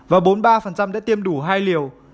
và bốn mươi ba đã tiêm đủ hai liều